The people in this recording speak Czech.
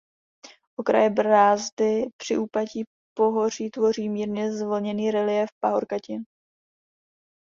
Okraje brázdy při úpatí pohoří tvoří mírně zvlněný reliéf pahorkatin.